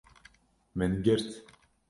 Min girt